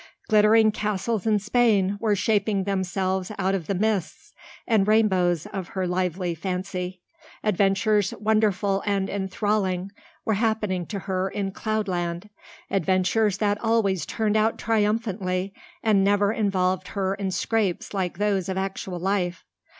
Glittering castles in Spain were shaping themselves out of the mists and rainbows of her lively fancy; adventures wonderful and enthralling were happening to her in cloudland adventures that always turned out triumphantly and never involved her in scrapes like those of actual life.